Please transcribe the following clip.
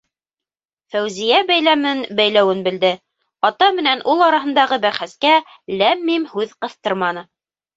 Фәүзиә бәйләмен бәйләүен белде, ата менән ул араһындағы бәхәскә ләм-мим һүҙ ҡыҫтырманы.